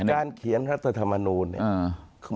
การเขียนรัฐธรรมนูลเนี่ย